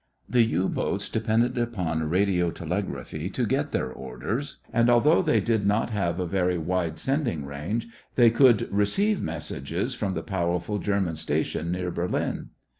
The U boats depended upon radiotelegraphy to get their orders and although they did not have a very wide sending range, they could receive messages from the powerful German station near Berlin.